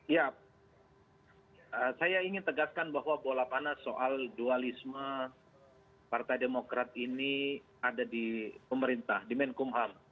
ya saya ingin tegaskan bahwa bola panas soal dualisme partai demokrat ini ada di pemerintah di menkumham